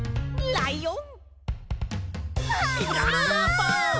ライオン！